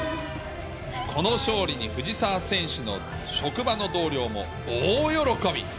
この勝利に藤澤選手の職場の同僚も大喜び。